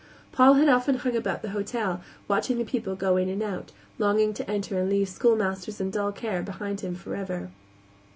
Paul had often hung about the hotel, watching the people go in and out, longing to enter and leave schoolmasters and dull care behind him forever.